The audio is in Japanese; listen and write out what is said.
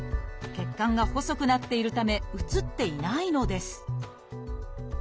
血管が細くなっているため写っていないのです